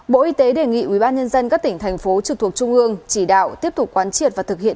bộ y tế đề nghị ubnd các tỉnh thành phố trực thuộc trung ương chỉ đạo tiếp tục quán triệt và thực hiện